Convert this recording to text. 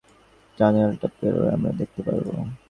টানেলটা পেরোলেই আমরা দেখতে পারবো।